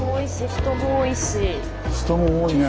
人も多いね。